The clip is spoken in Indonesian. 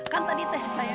kan tadi teh saya